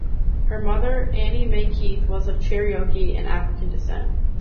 Her mother Annie Mae Keith was of Cherokee and African descent.